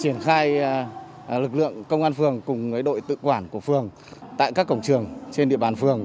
hôm nay lực lượng công an phường cùng đội tự quản của phường tại các cổng trường trên địa bàn phường